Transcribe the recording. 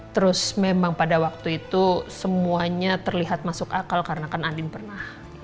terus memang pada waktu itu semuanya terlihat masuk akal karena kan andin pernah